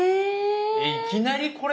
いきなりこれ⁉